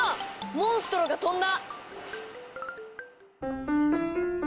モンストロが飛んだ！